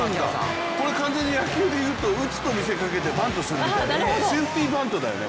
これ完全に野球で言うと打つと見せかけてバントっていうセーフティーバントだよね。